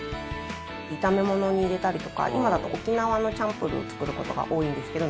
炒め物に入れたりとか今だと沖縄のチャンプルーを作ることが多いんですけど。